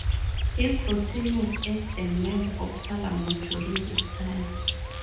He continued as a Member of Parliament during this time.